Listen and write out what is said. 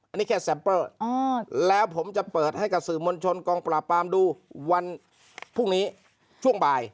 อันนี้แค่แซมเปอร์แล้วผมจะเปิดให้กับสื่อมวลชนกองปราบปรามดูวันพรุ่งนี้ช่วงบ่าย